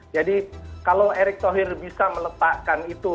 jadi kalau erick thohir bisa meletakkan itu